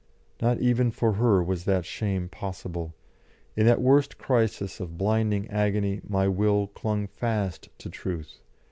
Not even for her was that shame possible; in that worst crisis of blinding agony my will clung fast to Truth.